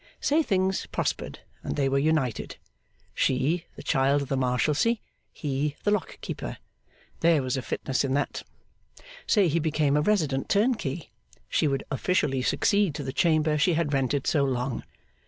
Say things prospered, and they were united. She, the child of the Marshalsea; he, the lock keeper. There was a fitness in that. Say he became a resident turnkey. She would officially succeed to the chamber she had rented so long.